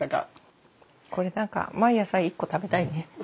これ何か毎朝１個食べたいね。